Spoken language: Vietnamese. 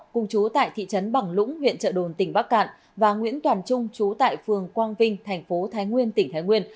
cùng chú tại thị trấn bằng lũng huyện trợ đồn tỉnh bắc cạn và nguyễn toàn trung chú tại phường quang vinh thành phố thái nguyên tỉnh thái nguyên